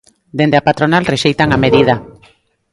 Dende a patronal rexeitan a medida.